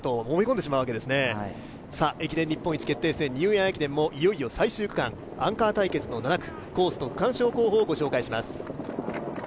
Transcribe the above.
駅伝日本一決定戦ニューイヤー駅伝もいよいよ最終区間アンカー対決の７区、コースと区間賞をご紹介します。